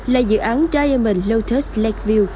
là dự án diamond lotus lakeview